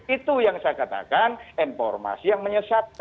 itu yang saya katakan informasi yang menyesatkan